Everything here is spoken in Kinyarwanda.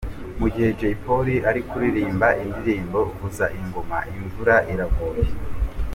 Mu gihe jay Polly ari kuririmba indirimbo ’Vuza Ingoma’, imvura iraguye.